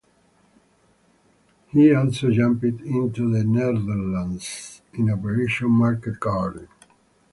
He also jumped into the Netherlands in Operation Market Garden.